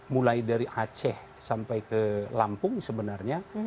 mulai dari aceh sampai ke lampung sebenarnya